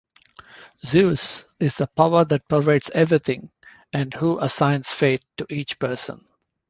Zeus is the power that pervades everything, and who assigns Fate to each person.